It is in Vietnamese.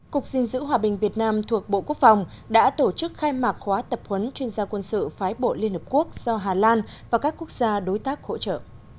cục diện giữ hòa bình việt nam thuộc bộ quốc phòng đã tổ chức khai mạc khóa tập huấn chuyên gia quân sự phái bộ liên hợp quốc do hà lan và các quốc gia đối tác hỗ trợ